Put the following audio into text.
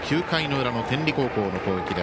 ９回の裏の天理高校の攻撃。